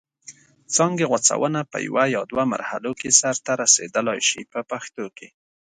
څانګې غوڅونه په یوه یا دوه مرحلو کې سرته رسیدلای شي په پښتو کې.